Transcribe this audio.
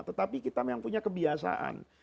tetapi kita yang punya kebiasaan